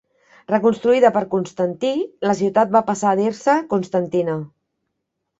Reconstruïda per Constantí, la ciutat va passar a dir-se Constantina.